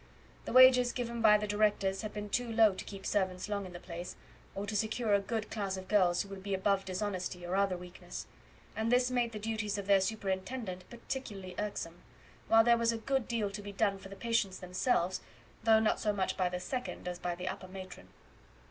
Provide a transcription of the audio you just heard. The wages given by the directors had been too low to keep servants long in the place, or to secure a good class of girls who would be above dishonesty or other weaknesses; and this made the duties of their superintendent particularly irksome; while there was a good deal to be done for the patients themselves, though not so much by the second as by the upper matron.